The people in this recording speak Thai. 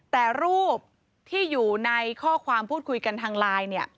แต่รูปที่อยู่ในข้อความพูดคุยกันทางไลน์เนี่ย